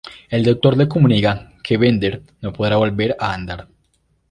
El doctor les comunica que Bender no podrá volver a a andar.